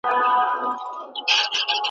زموږ له کورونو سره نژدې .